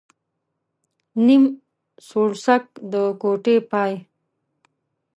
نيم سوړسک ، د کوټې پاى.